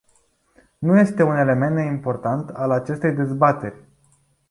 Nu este un element neimportant al acestei dezbateri.